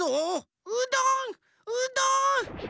うどんうどん！